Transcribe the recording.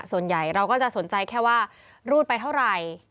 ส่วนใหญ่เราก็จะสนใจแค่ว่ารูดไปเท่าไหร่